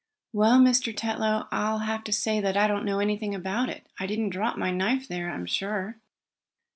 "Well, Mr. Tetlow, I'll have to say that I don't know anything about it. I didn't drop my knife there, I'm sure."